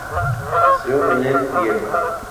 Nació en El Pireo.